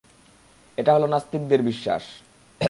এটা হল নাস্তিকদের বিশ্বাস।